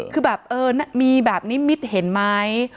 คือแบบมีแบบนี้มิดเห็นไหม